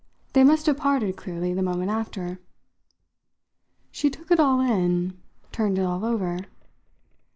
They must have parted, clearly, the moment after." She took it all in, turned it all over.